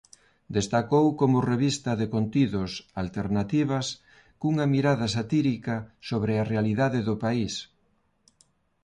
Destacou como revista de contidos alternativas cunha mirada satírica sobre a realidade do país.